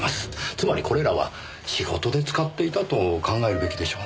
つまりこれらは仕事で使っていたと考えるべきでしょうねぇ。